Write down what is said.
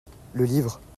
Le livre.